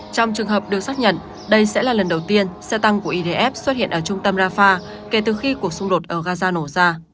trong trường hợp được xác nhận đây sẽ là lần đầu tiên xe tăng của idf xuất hiện ở trung tâm rafah kể từ khi cuộc xung đột ở gaza nổ ra